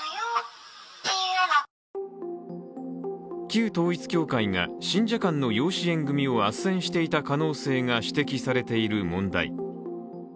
旧統一教会が信者間の養子縁組をあっせんした可能性が指摘されている問題。